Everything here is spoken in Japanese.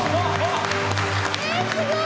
えすごい！